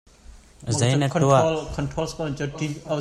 Na phone cu kha kaa cabuai ah khan a um.